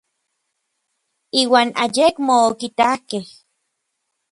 Iuan ayekmo okitakej.